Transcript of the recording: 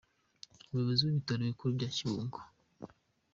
Umuyobozi w’ibitaro bikuru bya Kibungo,